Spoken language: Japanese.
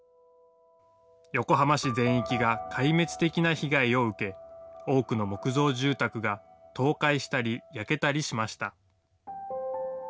横浜市全域が壊滅的な被害を受け、多くの木造住宅が倒壊したり、焼けたりしました。